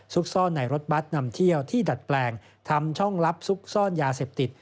ซ่อนในรถบัตรนำเที่ยวที่ดัดแปลงทำช่องลับซุกซ่อนยาเสพติด